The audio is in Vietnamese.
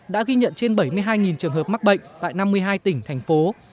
đã ghi nhận trên bảy mươi hai trường hợp mắc bệnh tại năm mươi hai tỉnh thành phố